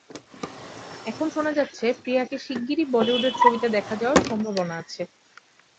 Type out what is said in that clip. এখন শোনা যাচ্ছে, প্রিয়াকে শিগগিরই বলিউডের ছবিতে দেখা যাওয়ার সম্ভাবনা আছে।